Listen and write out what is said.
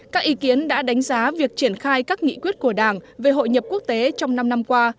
và những điều kiện đã đánh giá việc triển khai các nghị quyết của đảng về hội nhập quốc tế trong năm năm qua